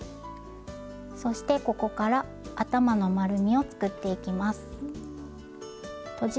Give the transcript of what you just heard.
そしてここから頭の丸みを作っていきます。